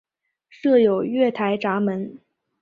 设有月台闸门。